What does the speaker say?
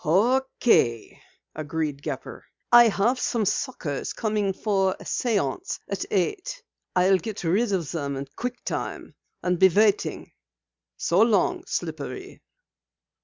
"Okay," agreed Gepper. "I have some suckers coming for a séance at eight. I'll get rid of them in quick time, and be waiting. So long, Slippery."